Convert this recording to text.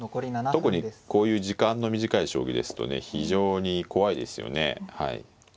特にこういう時間の短い将棋ですとね非常に怖いですよね。